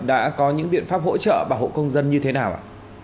đã có những biện pháp hỗ trợ và hỗ công dân như thế nào ạ